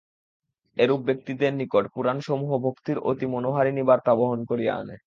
এরূপ ব্যক্তিদের নিকট পুরাণসমূহ ভক্তির অতি মনোহারিণী বার্তা বহন করিয়া আনে।